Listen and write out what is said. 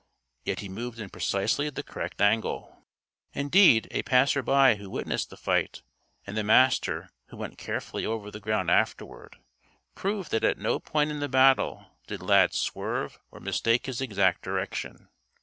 Yet he moved in precisely the correct angle. (Indeed, a passer by who witnessed the fight, and the Master, who went carefully over the ground afterward, proved that at no point in the battle did Lad swerve or mistake his exact direction.